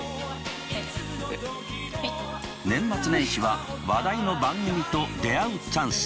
年末年始は話題の番組と出会うチャンス。